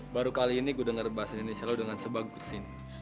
baru kali ini gue dengar bahasa indonesia lo dengan sebagus ini